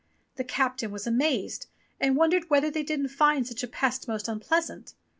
The captain was amazed, and wondered whether they didn't find such a pest most unpleasant.